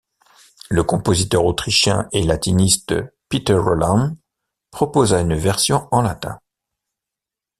Le compositeur autrichien et latiniste Peter Roland proposa une version en latin.